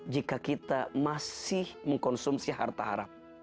jika kita masih mengkonsumsi harta harap